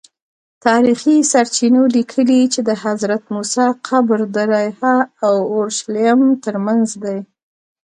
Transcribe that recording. تاریخي سرچینو لیکلي چې د حضرت موسی قبر د ریحا او اورشلیم ترمنځ دی.